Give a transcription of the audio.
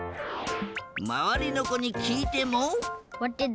まわりのこにきいても。